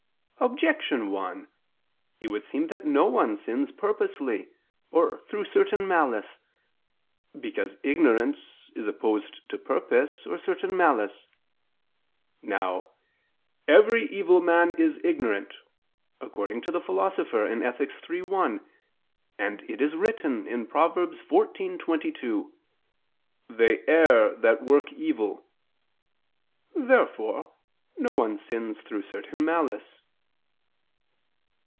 Objection 1: It would seem that no one sins purposely, or through certain malice. Because ignorance is opposed to purpose or certain malice. Now "every evil man is ignorant," according to the Philosopher (Ethic. iii, 1); and it is written (Prov. 14:22): "They err that work evil." Therefore no one sins through certain malice.